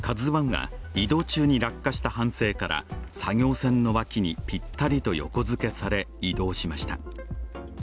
「ＫＡＺＵⅠ」が移動中に落下した反省から作業船の脇にぴったりと横づけされ、移動しました。